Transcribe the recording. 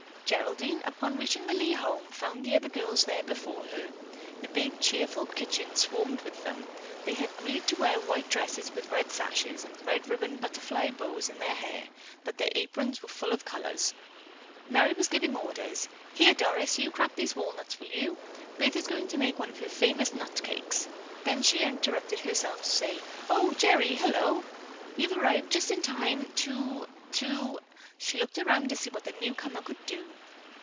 Geraldine, upon reaching the Lee home, found the other girls there before her. The big, cheerful kitchen swarmed with them. They had agreed to wear white dresses with red sashes, and red ribbon butterfly bows in their hair, but their aprons were of all colors. Merry was giving orders. "Here, Doris, you crack these walnuts, will you? Bertha is going to make one of her famous nut cakes." Then she interrupted herself to say, "Oh, Gerry, hello! You've arrived just in time to—to—" She looked around to see what the newcomer could do.